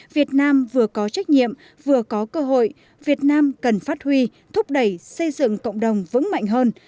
việt nam vừa có trách nhiệm vừa có cơ hội việt nam cần phát huy thúc đẩy xây dựng cộng đồng vững mạnh hơn